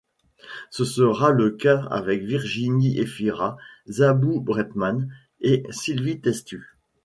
Ce sera le cas avec Virginie Efira, Zabou Breitman, et Sylvie Testud.